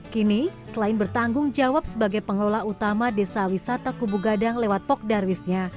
kini selain bertanggung jawab sebagai pengelola utama desa wisata kubu gadang lewat pok darwisnya